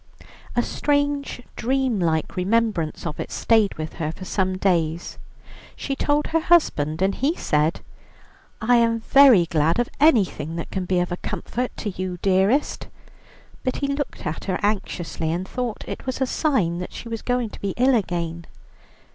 A strange dream like remembrance of it stayed with her for some days. She told her husband, and he said, "I am very glad of anything that can be a comfort to you, dearest;" but he looked at her anxiously, and thought it was a sign that she was to be ill again.